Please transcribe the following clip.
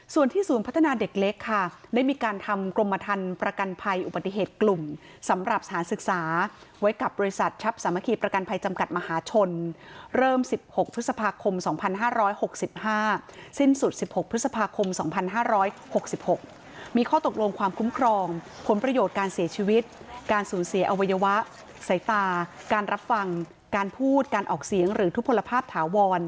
ส่วนที่ศูนย์พัฒนาเด็กเล็กค่ะได้มีการทำกรมทันประกันภัยอุบัติเหตุกลุ่มสำหรับสถานศึกษาไว้กับบริษัททัพสามัคคีประกันภัยจำกัดมหาชนเริ่ม๑๖พฤษภาคม๒๕๖๕สิ้นสุด๑๖พฤษภาคม๒๕๖๖มีข้อตกลงความคุ้มครองผลประโยชน์การเสียชีวิตการสูญเสียอวัยวะสายตาการรับฟังการพูดการออกเสียงหรือทุกพลภาพถาวร